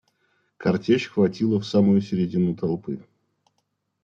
Картечь хватила в самую средину толпы.